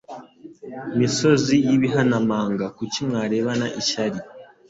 Misozi y’ibihanamanga kuki mwarebana ishyari